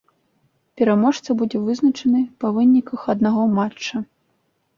Пераможца будзе вызначаны па выніках аднаго матча.